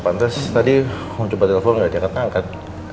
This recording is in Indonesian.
pantes tadi om coba telfon gak dia akan angkat